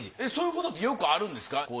えっそういうことってよくあるんですか？